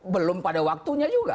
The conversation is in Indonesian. belum pada waktunya juga